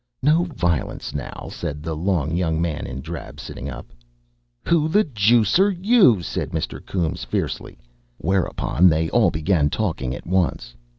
"No vi'lence, now," said the long young man in drab, sitting up. "Who the juice are you?" said Mr. Coombes fiercely. Whereupon they all began talking at once.